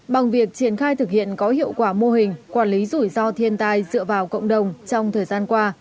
bằng việc triển khai thực hiện có hiệu quả mô hình quản lý rủi ro thiên tai dựa vào cộng đồng trong thời gian qua